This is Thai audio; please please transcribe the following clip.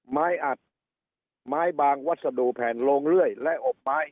ไม้อัดไม้บางวัสดุแผ่นลงเรื่อยและอบไม้